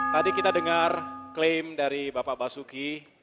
tadi kita dengar klaim dari bapak basuki